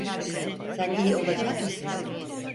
Sen iyi olacak mısın?